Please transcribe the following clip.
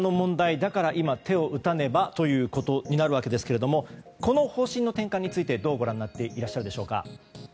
だから今、手を打たねばということになるんですけどこの方針の転換についてどうご覧になっていますか。